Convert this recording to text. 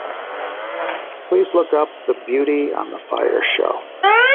Please look up the Beauty on the Fire show.